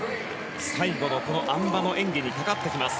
最後のあん馬の演技にかかってきます。